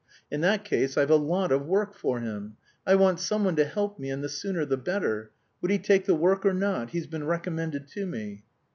In that case I've a lot of work for him. I want someone to help me and the sooner the better. Would he take the work or not? He's been recommended to me...."